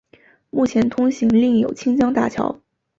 目前通行另有清江大桥。